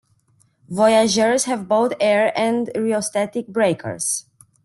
Voyagers have both air and rheostatic brakes.